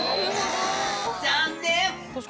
残念！